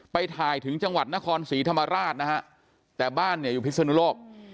ไปถ่ายถึงจังหวัดนครศรีธรรมราชนะฮะแต่บ้านเนี่ยอยู่พิศนุโลก